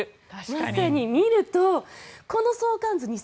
まさに見るとこの相関図２０２２